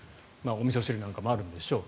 おみそ汁なんかもあるんでしょう。